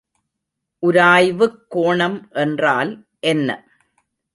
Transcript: உராய்வுக் கோணம் என்றால் என்ன?